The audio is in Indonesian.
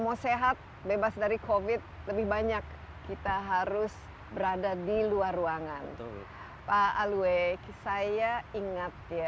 mau sehat bebas dari covid lebih banyak kita harus berada di luar ruangan pak alwe saya ingat ya